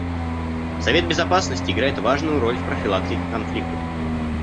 Совет Безопасности играет важную роль в профилактике конфликтов.